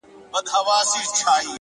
o زه وايم راسه حوصله وكړو؛